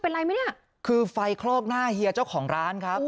เป็นอะไรไหมเนี่ยคือไฟคลอกหน้าเฮียเจ้าของร้านครับ